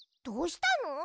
どうしたの？